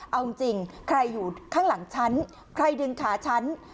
เอาจริงใครอยู่ข้างหลังฉันใครดึงขาฉัน